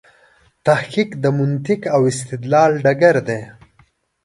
تحقیق د منطق او استدلال ډګر دی.